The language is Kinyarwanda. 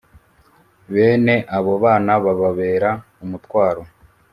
Bene abo bana bababera umutwaro